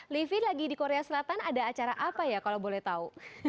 livi lagi di korea selatan ada acara apa ya kalau boleh tahu